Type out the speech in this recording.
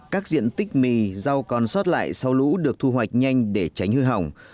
các diện tích mì rau còn xót lại sau lũ được thu hoạch nhanh để tránh hư hỏng